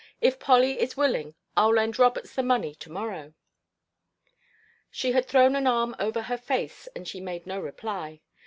If Polly is willing I'll lend Roberts the money to morrow." She had thrown an arm over her face and she made no reply.